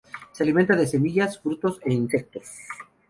Se alimenta de semillas, frutos e insectos.